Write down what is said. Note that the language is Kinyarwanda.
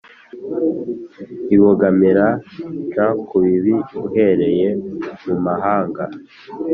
ibogamira c ku bibi uhereye mumahanga